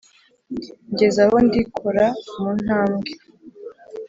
Ngeze aho ndikora mu ntambwe,